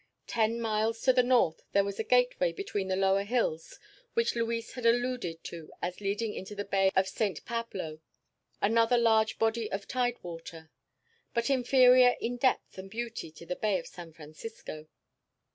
Ten miles to the north there was a gateway between the lower hills which Luis had alluded to as leading into the bay of Saint Pablo, another large body of tidewater, but inferior in depth and beauty to the Bay of San Francisco.